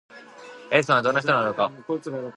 エジソンはどんな人なのだろうか？